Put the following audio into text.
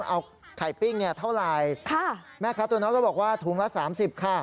เอาไข่ปิ้งเนี่ยเท่าไหร่แม่ค้าตัวน้อยก็บอกว่าถุงละ๓๐ค่ะ